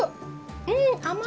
うん甘い！